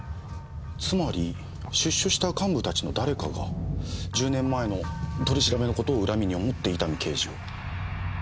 つまり出所した幹部たちの誰かが１０年前の取り調べの事を恨みに思って伊丹刑事を。